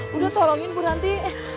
bu ranti tolongin bu ranti